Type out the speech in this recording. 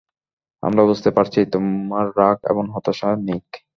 আমরা বুঝতে পারছি তোমার রাগ এবং হতাশা, নিক।